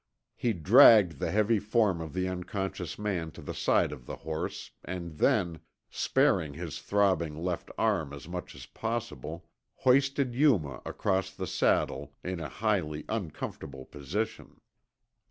He dragged the heavy form of the unconscious man to the side of the horse and then, sparing his throbbing left arm as much as possible, hoisted Yuma across the saddle in a highly uncomfortable position.